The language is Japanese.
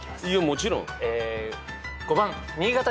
もちろん。